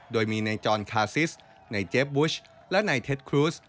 โดยมีในจอลคาซิสในเจฟบุชและในเท็ดครูส